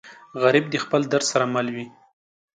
غریب د خپل درد سره مل وي